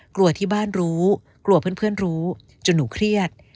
กลัวที่บ้านรู้กลัวเพื่อนรู้จนหนูเครียด